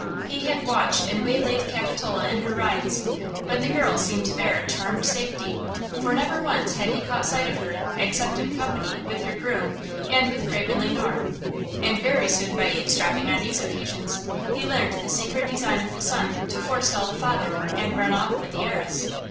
He had watched and waylaid Capitola in her rides. But the girl seemed to bear a charmed safety; for never once had he caught sight of her except in company with her groom and with Craven Le Noir. And very soon by eavesdropping on these occasions, he learned the secret design of the son to forestall the father, and run off with the heiress.